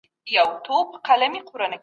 دغه مرغۍ په هوا کي البوتله.